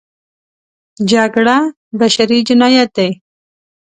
جګړه بشري جنایت دی.